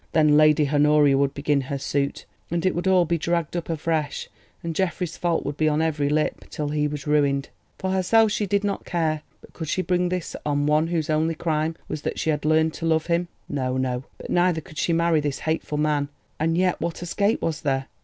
Then Lady Honoria would begin her suit, and it would all be dragged up afresh, and Geoffrey's fault would be on every lip, till he was ruined. For herself she did not care; but could she bring this on one whose only crime was that she had learned to love him? No, no; but neither could she marry this hateful man. And yet what escape was there?